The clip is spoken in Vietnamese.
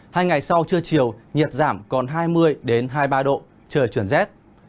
hai ngày sau trưa chiều nhiệt giảm còn hai mươi hai mươi ba độ trời chuyển rét